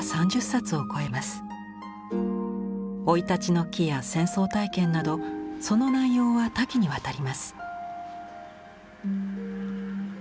生い立ちの記や戦争体験などその内容は多岐にわたります。